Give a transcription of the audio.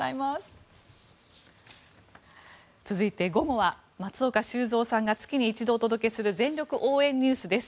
続いては午後は松岡修造さんが月に一度お届けする全力応援ＮＥＷＳです。